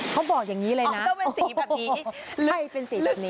เขาบอกอย่างนี้เลยนะต้องเป็นสีแบบนี้